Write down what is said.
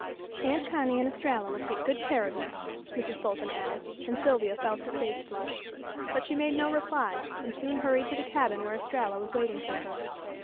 "Aunt Connie and Estralla will take good care of you," Mrs. Fulton added, and Sylvia felt her face flush. But she made no reply, and soon hurried to the cabin where Estralla was waiting for her.